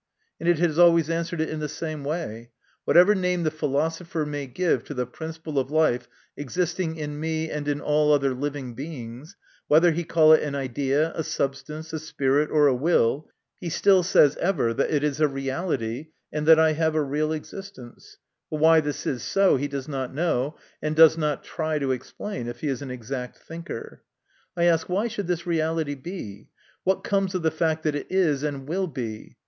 and it has always answered it in the same way. What ever name the philosopher may give to the principle of life existing in me and in all other living beings, whether he call it an idea, a substance, a spirit, or a will, he still says ever that it is a reality, and that I have a real existence ; but why this is so he does not know, and does not try to explain if he is an exact thinker. I ask, "Why should this reality be? What comes of the fact that it is and will be